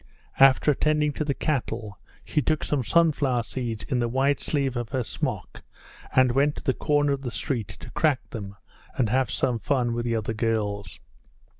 After attending to the cattle, she took some sunflower seeds in the wide sleeve of her smock and went to the corner of the street to crack them and have some fun with the other girls.